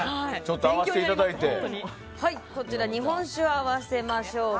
こちらは日本酒を合わせましょう。